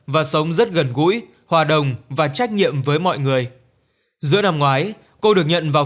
và sống rất gần gũi hòa đồng và trách nhiệm với mọi người giữa năm ngoái cô được nhận vào